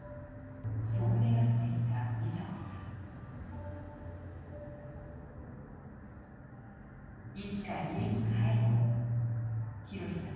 そう願っていたミサ子さん。